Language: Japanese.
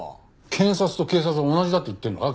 検察と警察が同じだと言ってるのか？